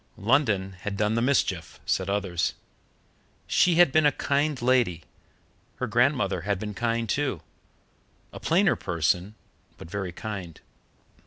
London had done the mischief, said others. She had been a kind lady; her grandmother had been kind, too a plainer person, but very kind.